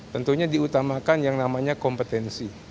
tentunya diutamakan yang namanya kompetensi